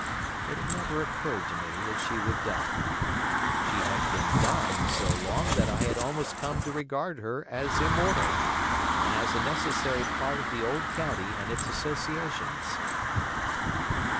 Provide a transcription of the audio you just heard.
It had never occurred to me that she would die. She had been dying so long that I had almost come to regard her as immortal, and as a necessary part of the old county and its associations.